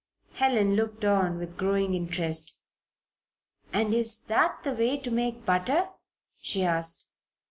Helen looked on with growing interest. "And is that the way to make butter?" she asked.